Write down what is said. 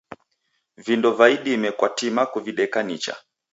Vindo va idime kwatima kuvideka nicha